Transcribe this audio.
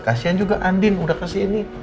kasian juga andin udah kasih ini